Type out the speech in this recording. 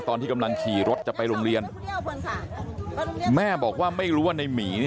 ตอนที่กำลังขี่รถจะไปโรงเรียนแม่บอกว่าไม่รู้ว่าในหมี